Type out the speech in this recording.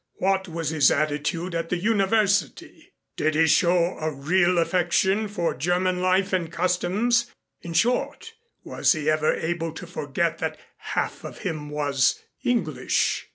What was his attitude at the University? Did he show a real affection for German life and customs? In short was he ever able to forget that half of him was English?"